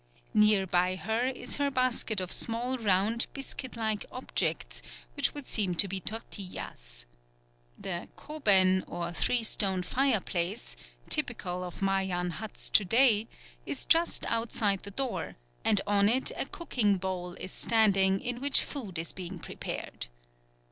Near by her is her basket of small round biscuit like objects which would seem to be tortillas. The koben or three stone fireplace, typical of Mayan huts to day, is just outside the door, and on it a cooking bowl is standing in which food is being prepared.